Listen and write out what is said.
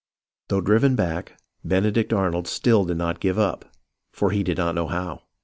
Though driven back, Benedict Arnold still did not give up, for he did not know how.